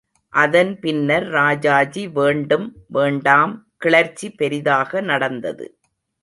அதன் பின்னர் ராஜாஜி வேண்டும் வேண்டாம் கிளர்ச்சி பெரிதாக நடந்தது.